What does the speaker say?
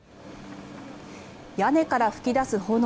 屋根から噴き出す炎。